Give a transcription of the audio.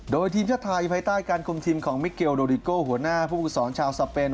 โดยทีมชาติไทยภายใต้การคุมทีมของมิเกลโดริโก้หัวหน้าผู้ฝึกสอนชาวสเปน